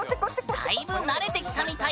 だいぶ慣れてきたみたい。